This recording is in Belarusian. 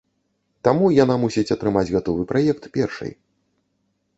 Таму яна мусіць атрымаць гатовы праект першай.